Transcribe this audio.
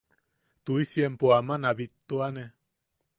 Tuʼisi empo aman a bittuane...